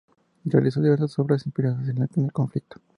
Realizó diversas obras inspiradas en el conflicto.